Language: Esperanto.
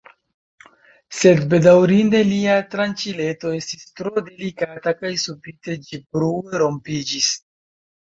Sed bedaŭrinde lia tranĉileto estis tro delikata kaj subite ĝi brue rompiĝis.